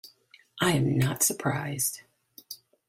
I am not surprised.